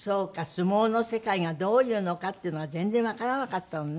相撲の世界がどういうのかっていうのが全然わからなかったのね。